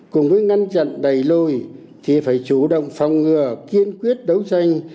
cùng với ngăn chặn đẩy lùi thì phải chủ động phòng ngừa kiên quyết đấu tranh